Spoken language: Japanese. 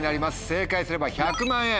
正解すれば１００万円。